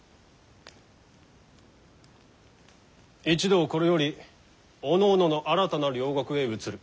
一同これよりおのおのの新たな領国へ移る。